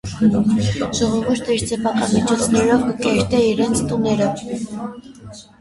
Ժողովուրդը իր սեփական միջոցներով կը կերտէ իրենց տուները։